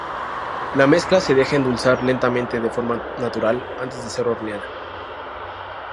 La mezcla se deja endulzar lentamente de forma natural antes de ser horneada.